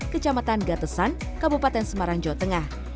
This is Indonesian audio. kecamatan gatesan kabupaten semarang jawa tengah